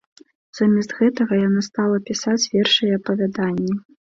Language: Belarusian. Замест гэтага яна стала пісаць вершы і апавяданні.